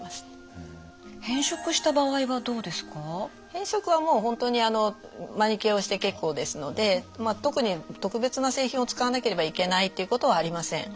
変色はもう本当にあのマニキュアをして結構ですので特に特別な製品を使わなければいけないっていうことはありません。